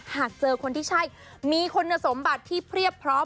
หากเจอคนที่ใช่มีคุณสมบัติที่เพียบพร้อม